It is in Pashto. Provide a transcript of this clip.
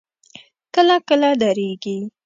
کله کله درېږي.